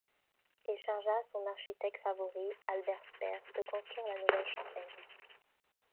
Il chargea son architecte favori, Albert Speer, de construire la nouvelle chancellerie.